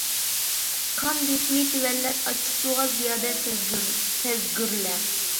قان بېسىمى تۆۋەنلەر، ئاچچىقسۇغا زىيادە سەزگۈرلەر.